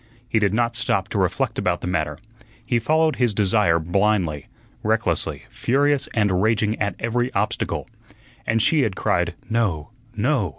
He did not stop to reflect about the matter; he followed his desire blindly, recklessly, furious and raging at every obstacle. And she had cried "No, no!"